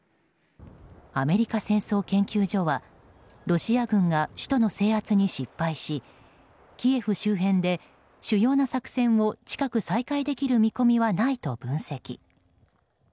アメリカ戦争研究所はロシア軍が首都の制圧に失敗しキエフ周辺で主要な作戦を近く再開できる見込みはないと分析。